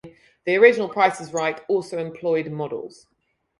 The original "Price Is Right" also employed models.